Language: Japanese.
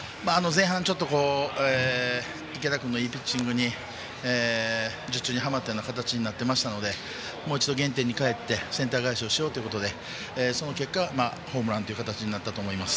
前半、ちょっと池田君のいいピッチングに術中にはまったような形になっていましたのでもう一度、原点に帰ってセンター返しをしようということでその結果がホームランという形になったと思います。